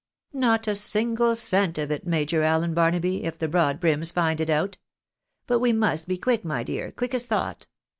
" Not a single cent of it. Major Allen Barnaby, if the broad brims find it out. But we must be quick, my dear, quick as thought.